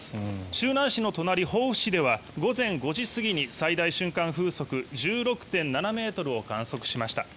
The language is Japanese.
周南市の隣、防府市では午前５時過ぎに最大瞬間風速１６．７ｍを観測しました。